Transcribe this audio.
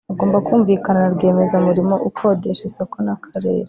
agomba kumvikana na rwiyemezamirimo ukodesha isoko n’akarere